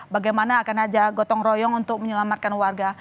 bagaimana akan ada gotong royong untuk menyelamatkan warga